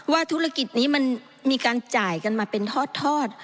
ธุรกิจนี้มันมีการจ่ายกันมาเป็นทอด